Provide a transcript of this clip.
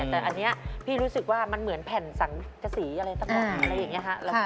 แต่อันนี้พี่รู้สึกว่ามันเหมือนแผ่นสังกษีอะไรต่างอะไรอย่างนี้ฮะ